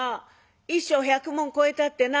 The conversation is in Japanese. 「１升１００文超えたってな」。